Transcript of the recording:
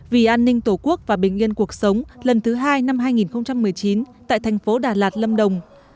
vì an ninh tổ quốc và bình yên cuộc sống lần thứ hai năm hai nghìn một mươi chín tại thành phố đà lạt lâm đồng